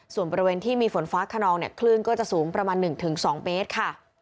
ส่วนบริเวณที่มีฝนฟ้าขนองเนี่ยคลื่นก็จะสูงประมาณ๑๒เมตรค่ะ